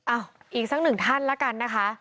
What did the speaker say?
อ้าวอีกสักหนึ่งท่านละกันนะคะ